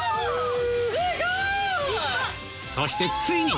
そしてついに！